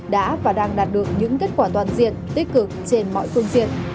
đã và đang đạt được những kết quả toàn diện tích cực trên mọi phương diện